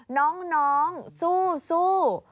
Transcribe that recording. น้องสู้